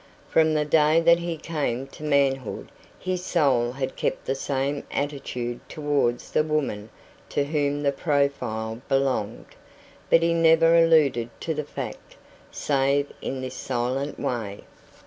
From the day that he came to manhood his soul had kept the same attitude towards the woman to whom the profile belonged. But he never alluded to the fact, save in this silent way.